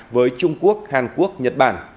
với trung quốc hàn quốc nhật bản